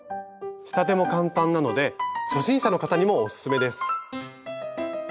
仕立ても簡単なので初心者の方にもオススメです。